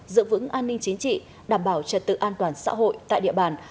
giữ vững an ninh chính trị đảm bảo trật tự an toàn xã hội tại địa bàn